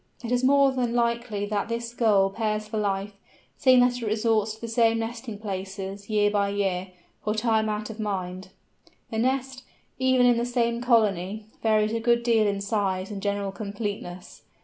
It is more than likely that this Gull pairs for life, seeing that it resorts to the same nesting places, year by year, for time out of mind. The nest, even in the same colony, varies a good deal in size and general completeness.